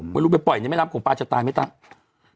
ไม่รู้ไปปล่อยในแม่น้ำของปลาจะตายไม่ตาย